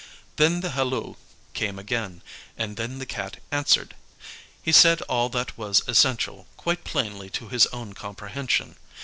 Then the halloo came again, and then the Cat answered. He said all that was essential quite plainly to his own comprehension.